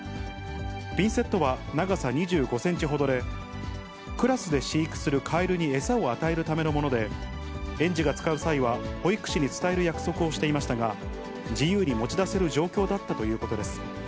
ピンセットは長さ２５センチほどで、クラスで飼育するカエルに餌を与えるためのもので、園児が使う際は保育士に伝える約束をしていましたが、自由に持ち出せる状況だったということです。